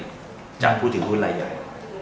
ยังไม่พูดถึงภูมิรายใหญ่